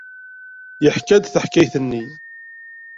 Yeḥka-d taḥkayt-nni.